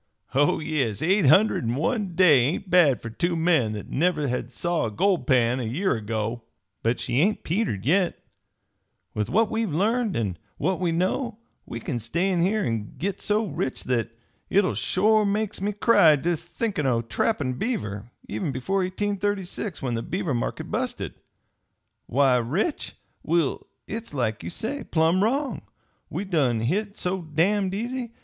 "Oh, yes, eight hundred in one day ain't bad for two men that never had saw a gold pan a year ago. But she ain't petered yit. With what we've learned, an' what we know, we kin stay in here an' git so rich that hit shore makes me cry ter think o' trappin' beaver, even before 1836, when the beaver market busted. Why, rich? Will, hit's like you say, plumb wrong we done hit so damned easy!